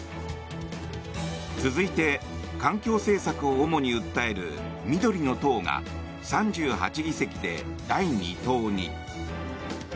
続いて環境政策を主に訴える緑の党が３８議席で第２党に。